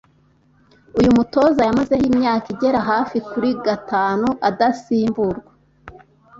Uyu mutoza yamazeho imyaka igera hafi kuri gatanu adasimburwa